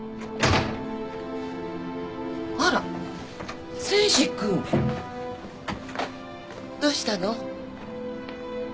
あら誠治君。どうしたの？